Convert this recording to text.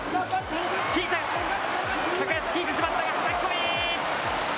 引いて、高安、引いてしまった、はたき込み。